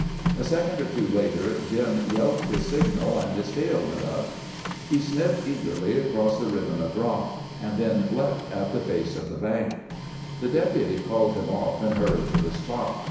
A second or two later, Jim yelped his signal, and his tail went up. He sniffed eagerly across the ribbon of rock, and then leapt at the face of the bank. The Deputy called him off and hurried to the spot.